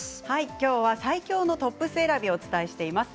きょうは最強のトップス選びをお伝えしています。